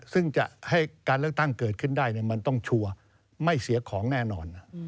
ซึ่งจะให้การเลือกตั้งเกิดขึ้นได้มันต้องชัวร์ไม่เสียของแน่นอน